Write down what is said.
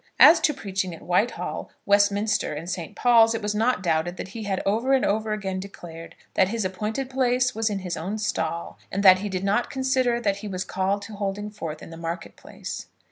As to preaching at Whitehall, Westminster, and St. Paul's, it was not doubted that he had over and over again declared that his appointed place was in his own stall, and that he did not consider that he was called to holding forth in the market place.